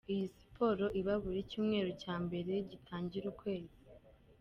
Iyi siporo iba buri Cyumweru cya mberegitangira ukwezi.